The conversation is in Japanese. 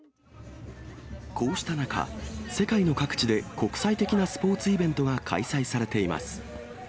こうした中、世界の各地で国際的なスポーツイベントが開催されています。